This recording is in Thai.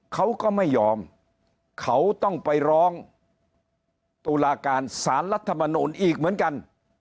เขาก็ไม่ยอมเขาต้องไปร้องตุลาการสารรัฐมนูลอีกเหมือนกัน